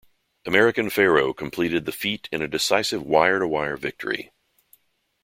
American Pharoah completed the feat in a decisive wire to wire victory.